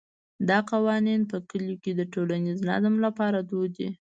دا قوانین په کلیو کې د ټولنیز نظم لپاره دود دي.